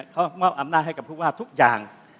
เขามอบอำนาจให้กับทุกอย่าง